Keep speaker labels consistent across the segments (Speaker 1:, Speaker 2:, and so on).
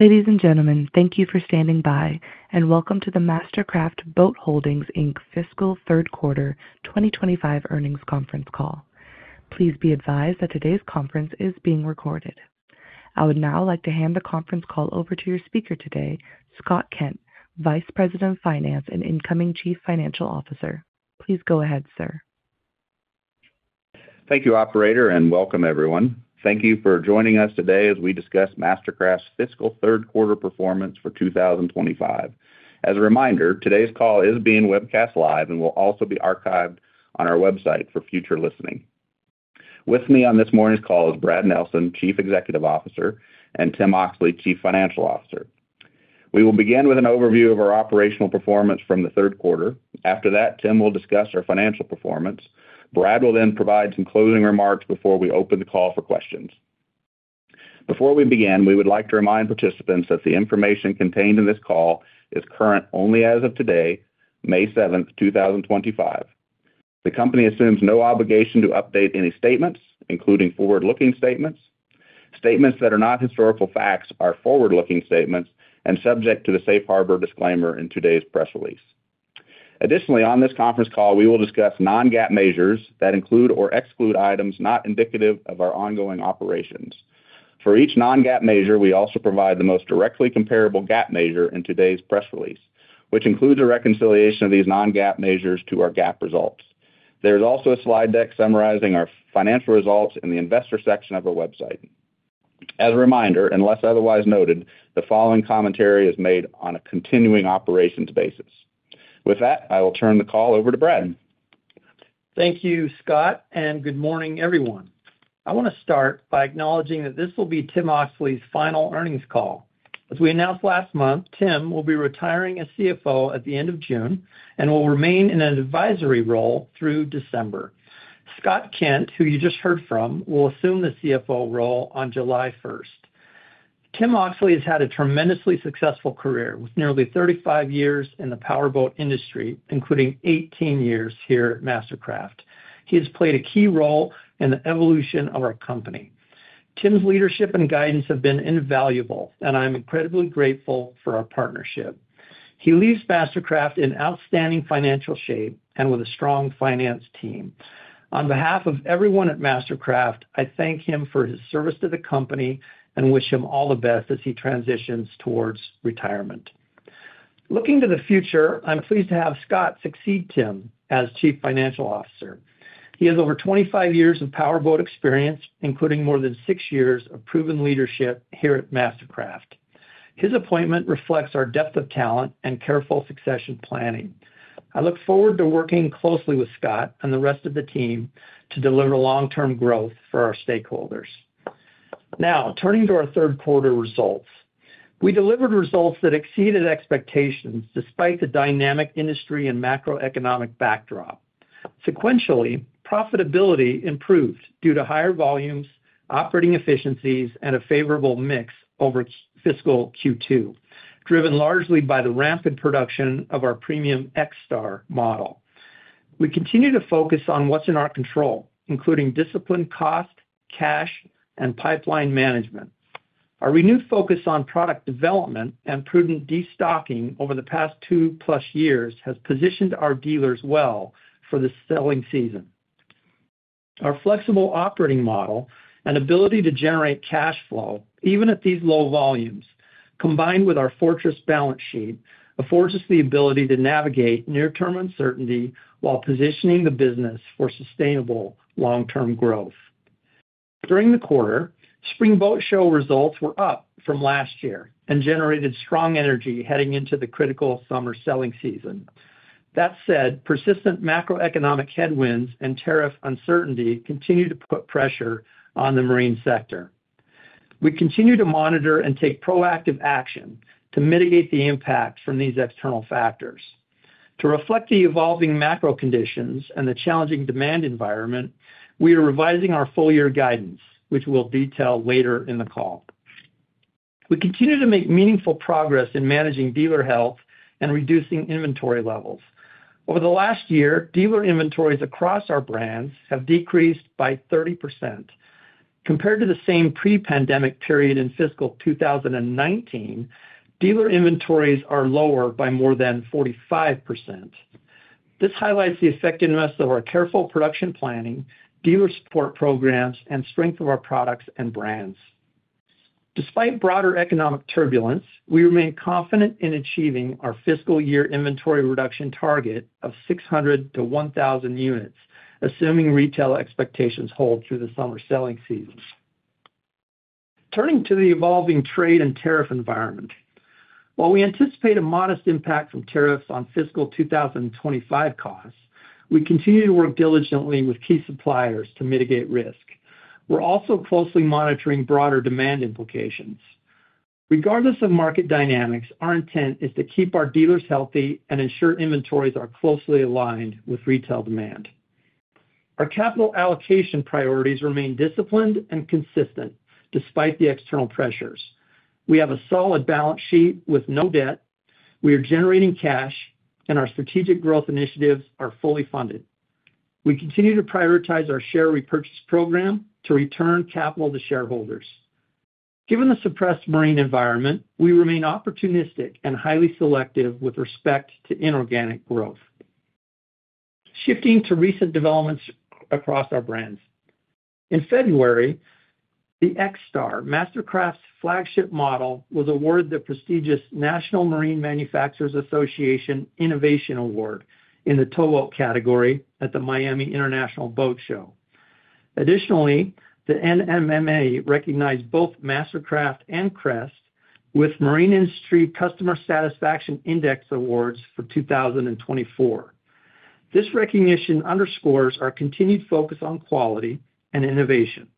Speaker 1: Ladies and gentlemen, thank you for standing by, and welcome to the MasterCraft Boat Holdings fiscal third quarter 2025 earnings conference call. Please be advised that today's conference is being recorded. I would now like to hand the conference call over to your speaker today, Scott Kent, Vice President of Finance and incoming Chief Financial Officer. Please go ahead, sir.
Speaker 2: Thank you, Operator, and welcome, everyone. Thank you for joining us today as we discuss MasterCraft's fiscal third quarter performance for 2025. As a reminder, today's call is being webcast live and will also be archived on our website for future listening. With me on this morning's call is Brad Nelson, Chief Executive Officer, and Tim Oxley, Chief Financial Officer. We will begin with an overview of our operational performance from the third quarter. After that, Tim will discuss our financial performance. Brad will then provide some closing remarks before we open the call for questions. Before we begin, we would like to remind participants that the information contained in this call is current only as of today, May 7, 2025. The company assumes no obligation to update any statements, including forward-looking statements. Statements that are not historical facts are forward-looking statements and subject to the Safe Harbor disclaimer in today's press release. Additionally, on this conference call, we will discuss non-GAAP measures that include or exclude items not indicative of our ongoing operations. For each non-GAAP measure, we also provide the most directly comparable GAAP measure in today's press release, which includes a reconciliation of these non-GAAP measures to our GAAP results. There is also a slide deck summarizing our financial results in the investor section of our website. As a reminder, unless otherwise noted, the following commentary is made on a continuing operations basis. With that, I will turn the call over to Brad.
Speaker 3: Thank you, Scott, and good morning, everyone. I want to start by acknowledging that this will be Tim Oxley's final earnings call. As we announced last month, Tim will be retiring as CFO at the end of June and will remain in an advisory role through December. Scott Kent, who you just heard from, will assume the CFO role on July 1. Tim Oxley has had a tremendously successful career with nearly 35 years in the power boat industry, including 18 years here at MasterCraft. He has played a key role in the evolution of our company. Tim's leadership and guidance have been invaluable, and I'm incredibly grateful for our partnership. He leaves MasterCraft in outstanding financial shape and with a strong finance team. On behalf of everyone at MasterCraft, I thank him for his service to the company and wish him all the best as he transitions towards retirement. Looking to the future, I'm pleased to have Scott succeed Tim as Chief Financial Officer. He has over 25 years of power boat experience, including more than six years of proven leadership here at MasterCraft. His appointment reflects our depth of talent and careful succession planning. I look forward to working closely with Scott and the rest of the team to deliver long-term growth for our stakeholders. Now, turning to our third quarter results, we delivered results that exceeded expectations despite the dynamic industry and macroeconomic backdrop. Sequentially, profitability improved due to higher volumes, operating efficiencies, and a favorable mix over fiscal Q2, driven largely by the rampant production of our premium X-Star model. We continue to focus on what's in our control, including discipline, cost, cash, and pipeline management. Our renewed focus on product development and prudent destocking over the past two-plus years has positioned our dealers well for the selling season. Our flexible operating model and ability to generate cash flow, even at these low volumes, combined with our fortress balance sheet, affords us the ability to navigate near-term uncertainty while positioning the business for sustainable long-term growth. During the quarter, Spring Boat Show results were up from last year and generated strong energy heading into the critical summer selling season. That said, persistent macroeconomic headwinds and tariff uncertainty continue to put pressure on the marine sector. We continue to monitor and take proactive action to mitigate the impact from these external factors. To reflect the evolving macro conditions and the challenging demand environment, we are revising our full-year guidance, which we'll detail later in the call. We continue to make meaningful progress in managing dealer health and reducing inventory levels. Over the last year, dealer inventories across our brands have decreased by 30%. Compared to the same pre-pandemic period in fiscal 2019, dealer inventories are lower by more than 45%. This highlights the effectiveness of our careful production planning, dealer support programs, and strength of our products and brands. Despite broader economic turbulence, we remain confident in achieving our fiscal year inventory reduction target of 600-1,000 units, assuming retail expectations hold through the summer selling season. Turning to the evolving trade and tariff environment, while we anticipate a modest impact from tariffs on fiscal 2025 costs, we continue to work diligently with key suppliers to mitigate risk. We're also closely monitoring broader demand implications. Regardless of market dynamics, our intent is to keep our dealers healthy and ensure inventories are closely aligned with retail demand. Our capital allocation priorities remain disciplined and consistent despite the external pressures. We have a solid balance sheet with no debt. We are generating cash, and our strategic growth initiatives are fully funded. We continue to prioritize our share repurchase program to return capital to shareholders. Given the suppressed marine environment, we remain opportunistic and highly selective with respect to inorganic growth. Shifting to recent developments across our brands. In February, the X-Star, MasterCraft's flagship model, was awarded the prestigious National Marine Manufacturers Association Innovation Award in the towboat category at the Miami International Boat Show. Additionally, the NMMA recognized both MasterCraft and Crest with Marine Industry Customer Satisfaction Index Awards for 2024. This recognition underscores our continued focus on quality and innovation.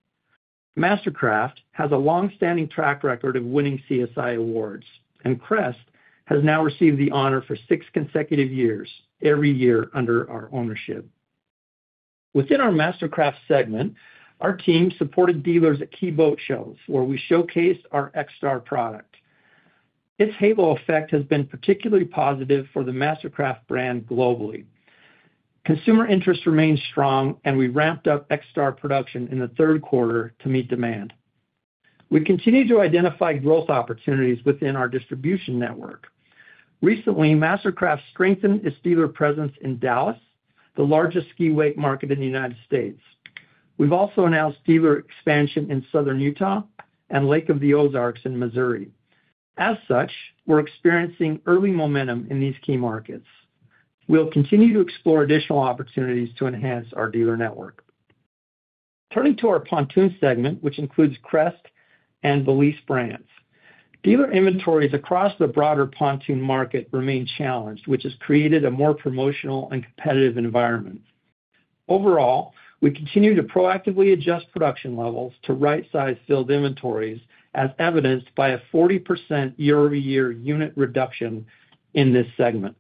Speaker 3: MasterCraft has a long-standing track record of winning CSI Awards, and Crest has now received the honor for six consecutive years, every year under our ownership. Within our MasterCraft segment, our team supported dealers at key boat shows where we showcased our X-Star product. Its halo effect has been particularly positive for the MasterCraft brand globally. Consumer interest remains strong, and we ramped up X-Star production in the third quarter to meet demand. We continue to identify growth opportunities within our distribution network. Recently, MasterCraft strengthened its dealer presence in Dallas, the largest ski-wake market in the United States. We have also announced dealer expansion in southern Utah and Lake of the Ozarks in Missouri. As such, we are experiencing early momentum in these key markets. We will continue to explore additional opportunities to enhance our dealer network. Turning to our pontoon segment, which includes Crest and Belize brands. Dealer inventories across the broader pontoon market remain challenged, which has created a more promotional and competitive environment. Overall, we continue to proactively adjust production levels to right-size filled inventories, as evidenced by a 40% year-over-year unit reduction in this segment.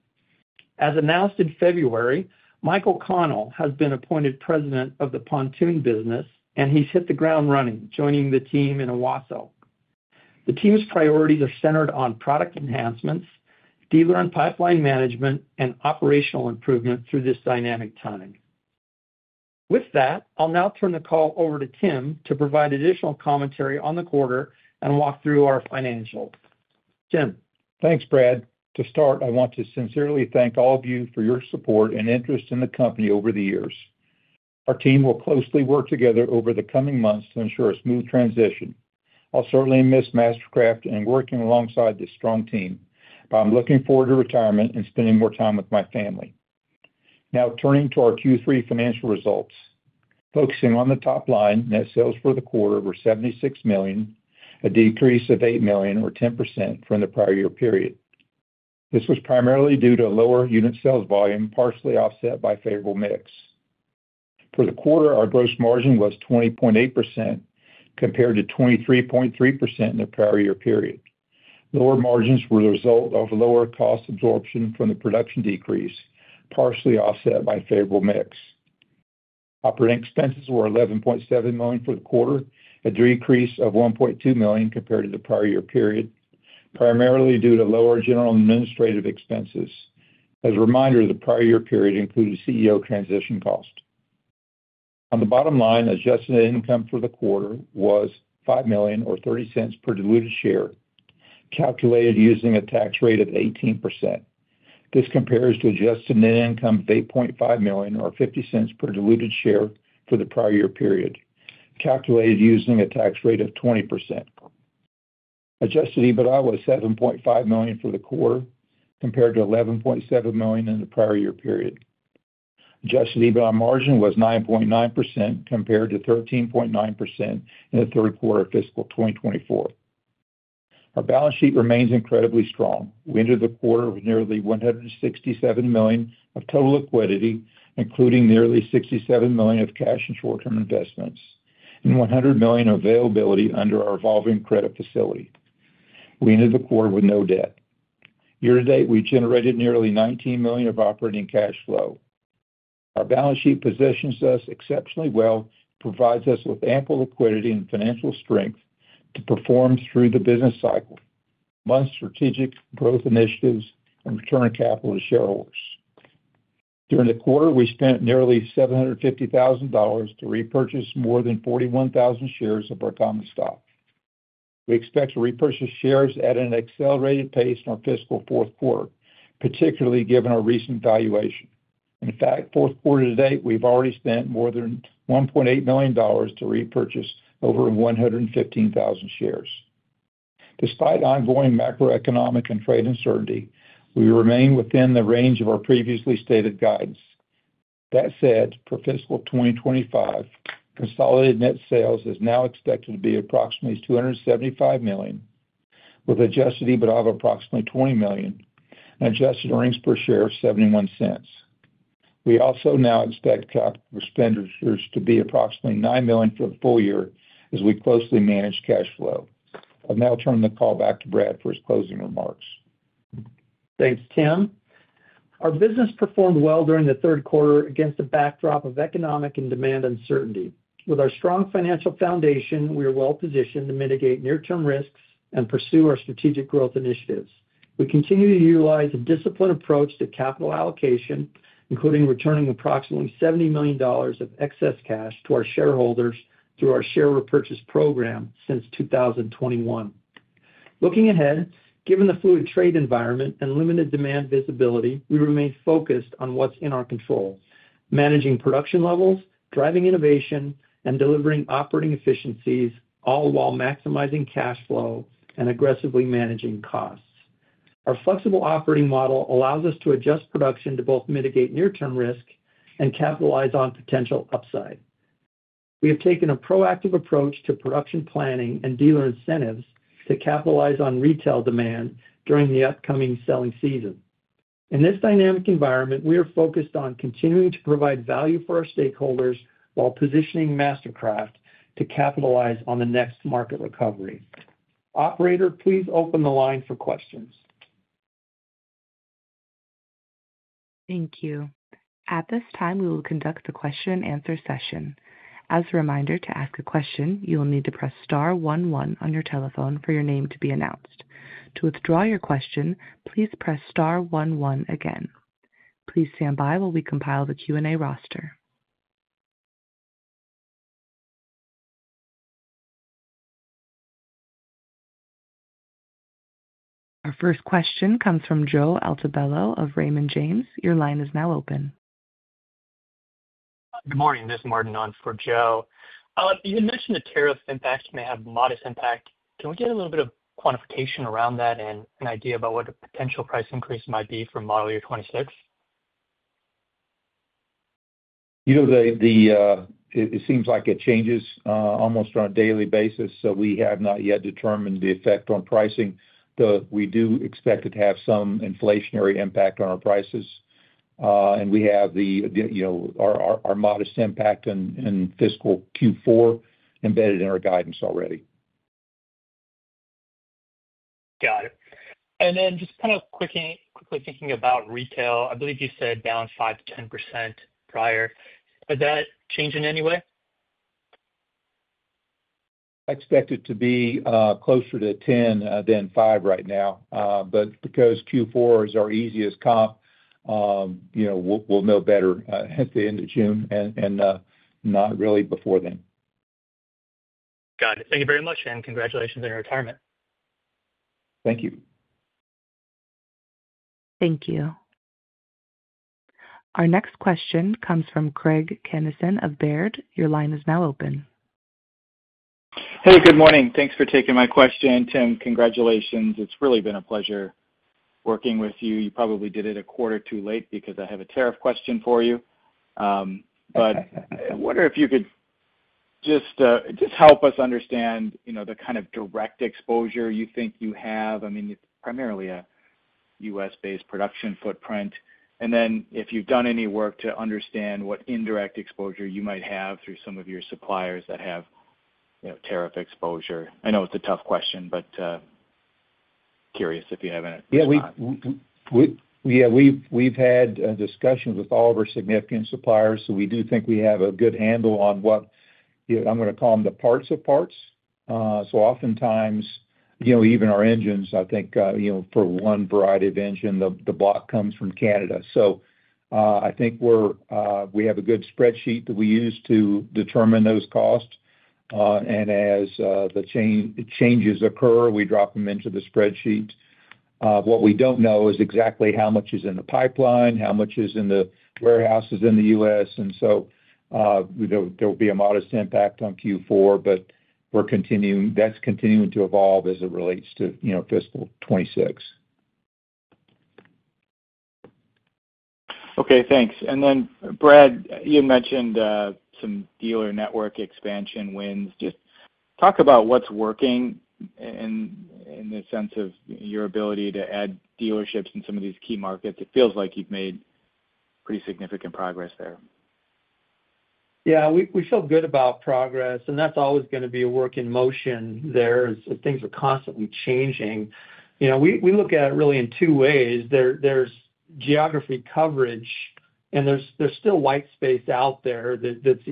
Speaker 3: As announced in February, Michael Connell has been appointed President of the pontoon business, and he's hit the ground running, joining the team in Owasso. The team's priorities are centered on product enhancements, dealer and pipeline management, and operational improvement through this dynamic time. With that, I'll now turn the call over to Tim to provide additional commentary on the quarter and walk through our financials. Tim.
Speaker 4: Thanks, Brad. To start, I want to sincerely thank all of you for your support and interest in the company over the years. Our team will closely work together over the coming months to ensure a smooth transition. I'll certainly miss MasterCraft and working alongside this strong team, but I'm looking forward to retirement and spending more time with my family. Now, turning to our Q3 financial results, focusing on the top line, net sales for the quarter were $76 million, a decrease of $8 million, or 10%, from the prior year period. This was primarily due to lower unit sales volume, partially offset by favorable mix. For the quarter, our gross margin was 20.8%, compared to 23.3% in the prior year period. Lower margins were the result of lower cost absorption from the production decrease, partially offset by favorable mix. Operating expenses were $11.7 million for the quarter, a decrease of $1.2 million compared to the prior year period, primarily due to lower general administrative expenses. As a reminder, the prior year period included CEO transition cost. On the bottom line, adjusted net income for the quarter was $5 million, or $0.30 per diluted share, calculated using a tax rate of 18%. This compares to adjusted net income of $8.5 million, or $0.50 per diluted share for the prior year period, calculated using a tax rate of 20%. Adjusted EBITDA was $7.5 million for the quarter, compared to $11.7 million in the prior year period. Adjusted EBITDA margin was 9.9%, compared to 13.9% in the third quarter of fiscal 2024. Our balance sheet remains incredibly strong. We entered the quarter with nearly $167 million of total liquidity, including nearly $67 million of cash and short-term investments, and $100 million of availability under our revolving credit facility. We entered the quarter with no debt. Year to date, we generated nearly $19 million of operating cash flow. Our balance sheet positions us exceptionally well and provides us with ample liquidity and financial strength to perform through the business cycle, fund strategic growth initiatives, and return capital to shareholders. During the quarter, we spent nearly $750,000 to repurchase more than 41,000 shares of our common stock. We expect to repurchase shares at an accelerated pace in our fiscal fourth quarter, particularly given our recent valuation. In fact, fourth quarter to date, we've already spent more than $1.8 million to repurchase over 115,000 shares. Despite ongoing macroeconomic and trade uncertainty, we remain within the range of our previously stated guidance. That said, for fiscal 2025, consolidated net sales is now expected to be approximately $275 million, with adjusted EBITDA of approximately $20 million, and adjusted earnings per share of $0.71. We also now expect capital expenditures to be approximately $9 million for the full year as we closely manage cash flow. I'll now turn the call back to Brad for his closing remarks.
Speaker 3: Thanks, Tim. Our business performed well during the third quarter against the backdrop of economic and demand uncertainty. With our strong financial foundation, we are well positioned to mitigate near-term risks and pursue our strategic growth initiatives. We continue to utilize a disciplined approach to capital allocation, including returning approximately $70 million of excess cash to our shareholders through our share repurchase program since 2021. Looking ahead, given the fluid trade environment and limited demand visibility, we remain focused on what's in our control, managing production levels, driving innovation, and delivering operating efficiencies, all while maximizing cash flow and aggressively managing costs. Our flexible operating model allows us to adjust production to both mitigate near-term risk and capitalize on potential upside. We have taken a proactive approach to production planning and dealer incentives to capitalize on retail demand during the upcoming selling season. In this dynamic environment, we are focused on continuing to provide value for our stakeholders while positioning MasterCraft to capitalize on the next market recovery. Operator, please open the line for questions.
Speaker 1: Thank you. At this time, we will conduct the question-and-answer session. As a reminder, to ask a question, you will need to press star 11 on your telephone for your name to be announced. To withdraw your question, please press star 11 again. Please stand by while we compile the Q&A roster. Our first question comes from Joe Altobello of Raymond James. Your line is now open.
Speaker 5: Good morning. This is Martin Nunn for Joe. You had mentioned that tariff impacts may have modest impact. Can we get a little bit of quantification around that and an idea about what a potential price increase might be for model year 2026?
Speaker 4: You know, it seems like it changes almost on a daily basis, so we have not yet determined the effect on pricing. We do expect it to have some inflationary impact on our prices. We have our modest impact in fiscal Q4 embedded in our guidance already.
Speaker 5: Got it. And then just kind of quickly thinking about retail, I believe you said down 5-10% prior. Is that changing any way?
Speaker 4: I expect it to be closer to 10 than 5 right now. Because Q4 is our easiest comp, we'll know better at the end of June and not really before then.
Speaker 5: Got it. Thank you very much, and congratulations on your retirement.
Speaker 4: Thank you.
Speaker 1: Thank you. Our next question comes from Craig Kennison of Baird. Your line is now open.
Speaker 6: Hey, good morning. Thanks for taking my question, Tim. Congratulations. It's really been a pleasure working with you. You probably did it a quarter too late because I have a tariff question for you. I wonder if you could just help us understand the kind of direct exposure you think you have. I mean, it's primarily a U.S.-based production footprint. If you've done any work to understand what indirect exposure you might have through some of your suppliers that have tariff exposure. I know it's a tough question, but curious if you have any.
Speaker 4: Yeah, we've had discussions with all of our significant suppliers, so we do think we have a good handle on what I'm going to call them the parts of parts. Oftentimes, even our engines, I think for one variety of engine, the block comes from Canada. I think we have a good spreadsheet that we use to determine those costs. As the changes occur, we drop them into the spreadsheet. What we don't know is exactly how much is in the pipeline, how much is in the warehouses in the U.S. There will be a modest impact on Q4, but that's continuing to evolve as it relates to fiscal 2026.
Speaker 6: Okay, thanks. Brad, you mentioned some dealer network expansion wins. Just talk about what's working in the sense of your ability to add dealerships in some of these key markets. It feels like you've made pretty significant progress there.
Speaker 3: Yeah, we feel good about progress, and that's always going to be a work in motion there. Things are constantly changing. We look at it really in two ways. There's geography coverage, and there's still white space out there that's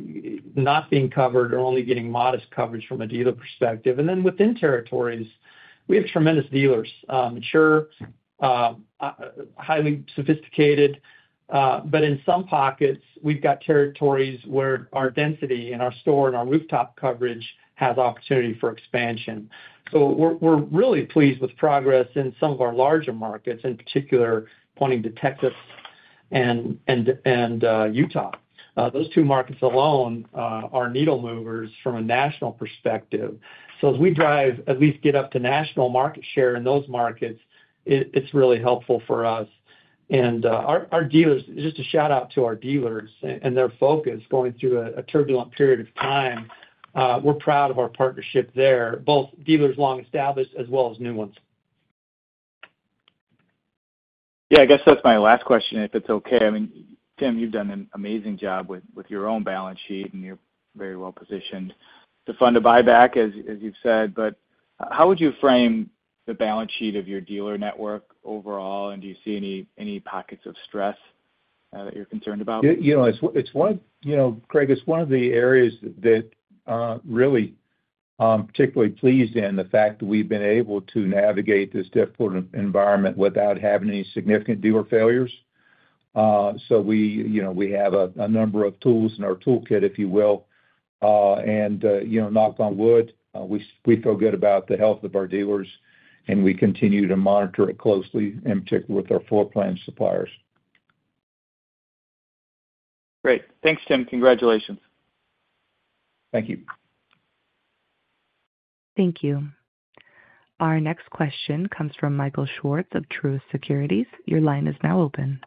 Speaker 3: not being covered or only getting modest coverage from a dealer perspective. Then within territories, we have tremendous dealers, mature, highly sophisticated. But in some pockets, we've got territories where our density and our store and our rooftop coverage has opportunity for expansion. We are really pleased with progress in some of our larger markets, in particular pointing to Texas and Utah. Those two markets alone are needle movers from a national perspective. As we drive, at least get up to national market share in those markets, it's really helpful for us. Just a shout-out to our dealers and their focus going through a turbulent period of time. We're proud of our partnership there, both dealers long established as well as new ones.
Speaker 6: Yeah, I guess that's my last question, if it's okay. I mean, Tim, you've done an amazing job with your own balance sheet, and you're very well positioned to fund a buyback, as you've said. How would you frame the balance sheet of your dealer network overall, and do you see any pockets of stress that you're concerned about?
Speaker 4: You know, Craig, it's one of the areas that really I'm particularly pleased in, the fact that we've been able to navigate this difficult environment without having any significant dealer failures. We have a number of tools in our toolkit, if you will. Knock on wood, we feel good about the health of our dealers, and we continue to monitor it closely, in particular with our floor plan suppliers.
Speaker 6: Great. Thanks, Tim. Congratulations.
Speaker 4: Thank you.
Speaker 1: Thank you. Our next question comes from Michael Swartz of Truist Securities. Your line is now open.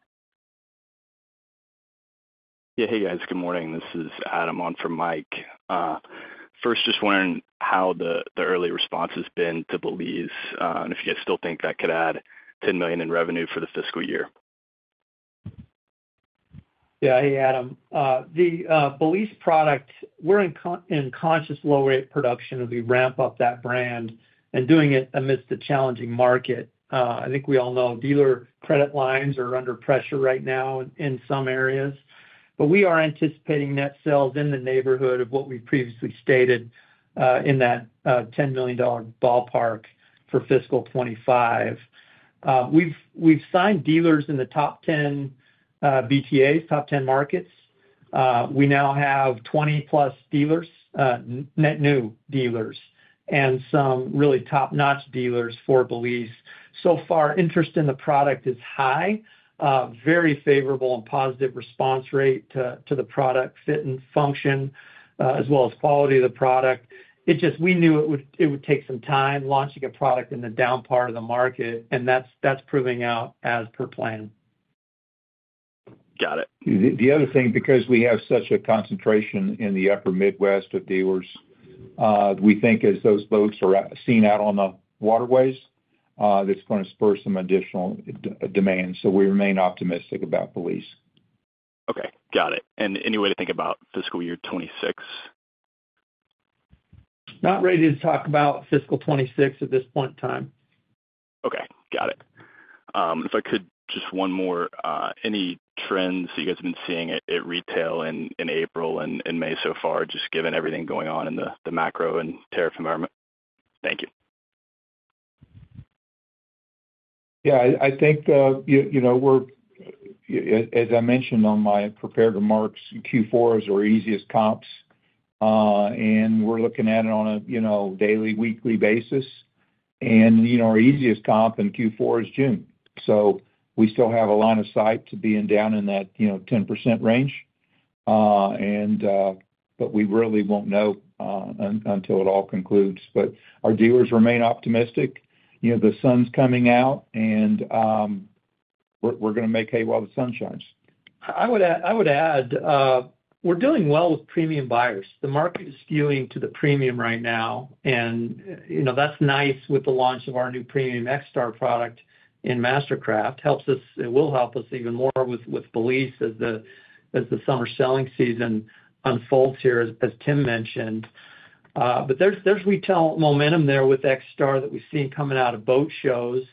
Speaker 7: Yeah, hey, guys. Good morning. This is Adam on for Mike. First, just wondering how the early response has been to Belize, and if you guys still think that could add $10 million in revenue for the fiscal year.
Speaker 3: Yeah, hey, Adam. The Belize product, we're in conscious low-rate production as we ramp up that brand and doing it amidst a challenging market. I think we all know dealer credit lines are under pressure right now in some areas. We are anticipating net sales in the neighborhood of what we previously stated in that $10 million ballpark for fiscal 2025. We've signed dealers in the top 10 BTAs, top 10 markets. We now have 20-plus dealers, net new dealers, and some really top-notch dealers for Belize. So far, interest in the product is high, very favorable and positive response rate to the product fit and function, as well as quality of the product. It's just we knew it would take some time launching a product in the down part of the market, and that's proving out as per plan.
Speaker 7: Got it.
Speaker 4: The other thing, because we have such a concentration in the upper Midwest of dealers, we think as those boats are seen out on the waterways, that's going to spur some additional demand. We remain optimistic about Belize.
Speaker 5: Okay, got it. Any way to think about fiscal year 2026?
Speaker 3: Not ready to talk about fiscal 2026 at this point in time.
Speaker 5: Okay, got it. If I could, just one more, any trends that you guys have been seeing at retail in April and May so far, just given everything going on in the macro and tariff environment? Thank you.
Speaker 4: Yeah, I think we're, as I mentioned on my prepared remarks, Q4 is our easiest comps, and we're looking at it on a daily, weekly basis. Our easiest comp in Q4 is June. We still have a line of sight to being down in that 10% range. We really won't know until it all concludes. Our dealers remain optimistic. The sun's coming out, and we're going to make hay while the sun shines.
Speaker 3: I would add we're doing well with premium buyers. The market is skewing to the premium right now, and that's nice with the launch of our new premium X-Star product in MasterCraft. It will help us even more with Belize as the summer selling season unfolds here, as Tim mentioned. There is retail momentum there with X-Star that we've seen coming out of boat shows.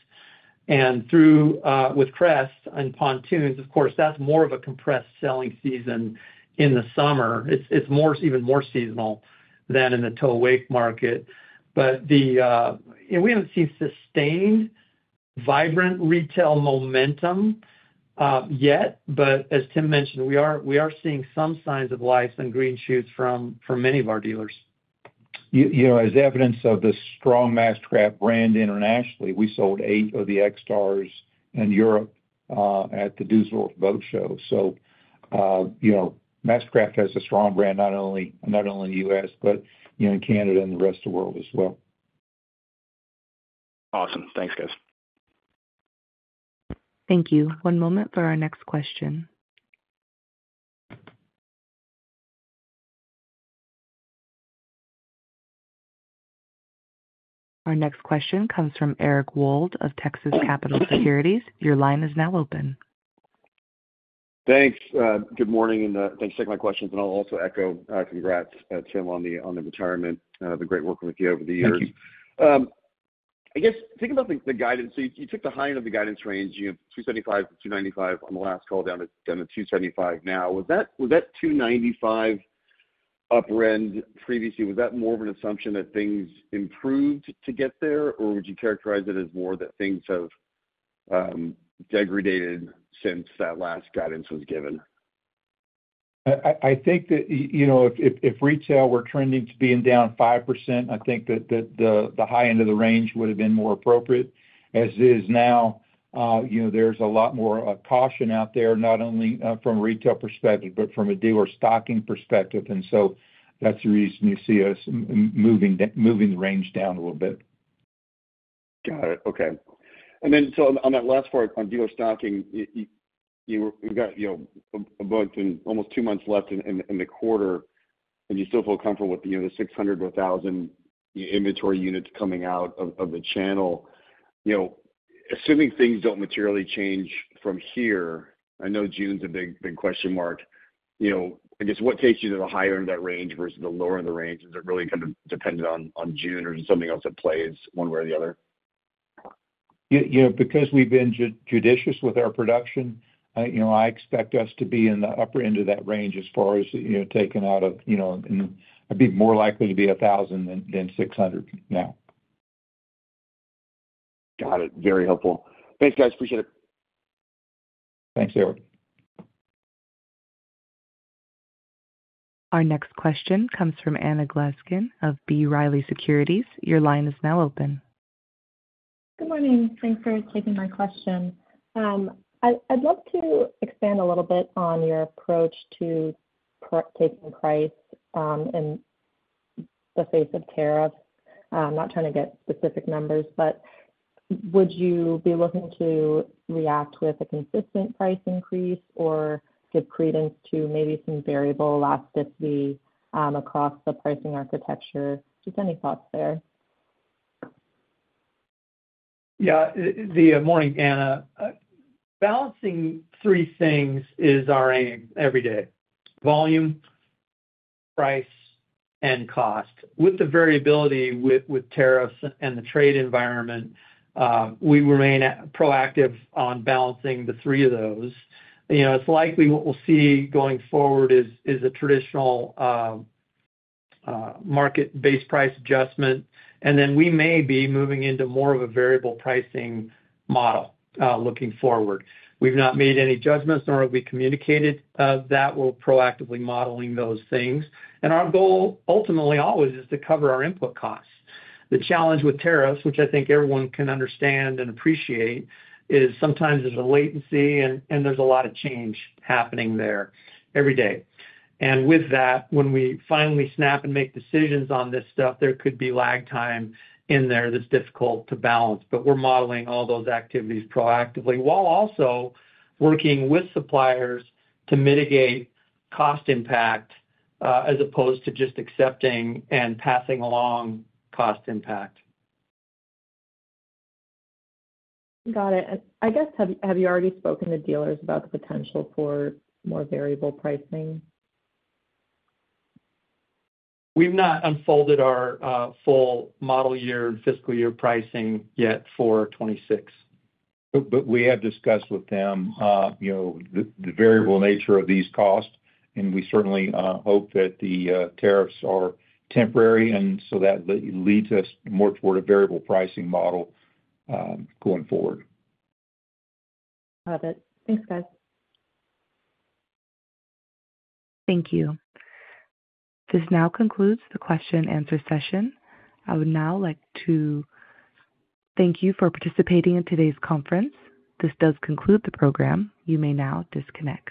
Speaker 3: Through with Crest and pontoons, of course, that's more of a compressed selling season in the summer. It's even more seasonal than in the tow/wake market. We haven't seen sustained vibrant retail momentum yet. As Tim mentioned, we are seeing some signs of life and green shoots from many of our dealers.
Speaker 4: As evidence of the strong MasterCraft brand internationally, we sold eight of the X-Star in Europe at the Düsseldorf boat show. MasterCraft has a strong brand not only in the U.S., but in Canada and the rest of the world as well.
Speaker 5: Awesome. Thanks, guys.
Speaker 1: Thank you. One moment for our next question. Our next question comes from Eric Wold of Texas Capital Securities. Your line is now open.
Speaker 8: Thanks. Good morning, and thanks for taking my questions. I'll also echo congrats, Tim, on the retirement. It's been great working with you over the years. I guess thinking about the guidance, you took the high end of the guidance range, $275-$295, on the last call down to $275 now. Was that $295 upper end previously, was that more of an assumption that things improved to get there, or would you characterize it as more that things have degraded since that last guidance was given?
Speaker 4: I think that if retail were trending to being down 5%, I think that the high end of the range would have been more appropriate. As it is now, there's a lot more caution out there, not only from a retail perspective, but from a dealer stocking perspective. That's the reason you see us moving the range down a little bit.
Speaker 8: Got it. Okay. And then on that last part on dealer stocking, we have got a boat in almost two months left in the quarter, and you still feel comfortable with the 600-1,000 inventory units coming out of the channel. Assuming things do not materially change from here, I know June is a big question mark. I guess what takes you to the higher end of that range versus the lower end of the range? Is it really kind of dependent on June, or is it something else that plays one way or the other?
Speaker 4: Yeah, because we've been judicious with our production, I expect us to be in the upper end of that range as far as taken out of, and I'd be more likely to be 1,000 than 600 now.
Speaker 8: Got it. Very helpful. Thanks, guys. Appreciate it.
Speaker 4: Thanks, Eric.
Speaker 1: Our next question comes from Anna Glaessgen of B. Riley Securities. Your line is now open.
Speaker 9: Good morning. Thanks for taking my question. I'd love to expand a little bit on your approach to taking price in the face of tariffs. I'm not trying to get specific numbers, but would you be looking to react with a consistent price increase or give credence to maybe some variable elasticity across the pricing architecture? Just any thoughts there?
Speaker 3: Yeah. Good morning, Anna. Balancing three things is our aim every day: volume, price, and cost. With the variability with tariffs and the trade environment, we remain proactive on balancing the three of those. It's likely what we'll see going forward is a traditional market-based price adjustment, and then we may be moving into more of a variable pricing model looking forward. We've not made any judgments, nor have we communicated that. We're proactively modeling those things. Our goal ultimately always is to cover our input costs. The challenge with tariffs, which I think everyone can understand and appreciate, is sometimes there's a latency, and there's a lot of change happening there every day. With that, when we finally snap and make decisions on this stuff, there could be lag time in there that's difficult to balance. We are modeling all those activities proactively while also working with suppliers to mitigate cost impact as opposed to just accepting and passing along cost impact.
Speaker 9: Got it. I guess, have you already spoken to dealers about the potential for more variable pricing?
Speaker 3: We've not unfolded our full model year and fiscal year pricing yet for 2026.
Speaker 4: We have discussed with them the variable nature of these costs, and we certainly hope that the tariffs are temporary, and so that leads us more toward a variable pricing model going forward.
Speaker 9: Got it. Thanks, guys.
Speaker 1: Thank you. This now concludes the question-and-answer session. I would now like to thank you for participating in today's conference. This does conclude the program. You may now disconnect.